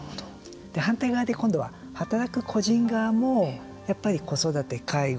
反対側で、今度は働く個人側もやっぱり子育て、介護